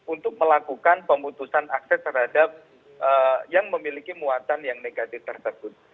untuk melakukan pemutusan akses terhadap yang memiliki muatan yang negatif tersebut